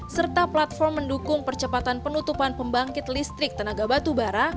serta platform mendukung percepatan penutupan pembangkit listrik tenaga batubara